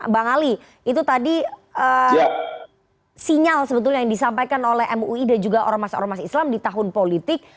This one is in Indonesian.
bang ali itu tadi sinyal sebetulnya yang disampaikan oleh mui dan juga ormas ormas islam di tahun politik